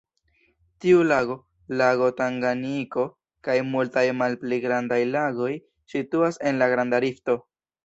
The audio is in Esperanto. Tiu lago, lago Tanganjiko kaj multaj malpli grandaj lagoj situas en la Granda Rifto.